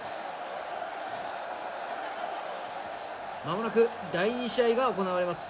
まもなく第２試合が行われます。